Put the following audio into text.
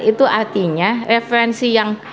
itu artinya referensi yang